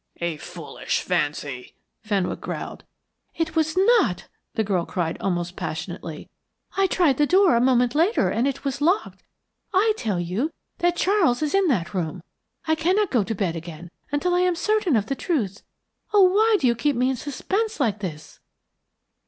"A foolish fancy," Fenwick growled. "It was not," the girl cried almost passionately. "I tried the door a moment later, and it was locked. I tell you that Charles is in that room. I cannot go to bed again until I am certain of the truth. Oh, why do you keep me in suspense like this?"